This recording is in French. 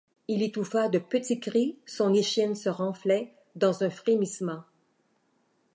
Il étouffa de petits cris, son échine se renflait, dans un frémissement.